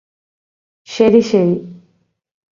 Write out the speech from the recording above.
ശരി ശരി